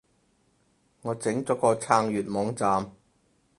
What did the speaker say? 我整咗個撐粵網站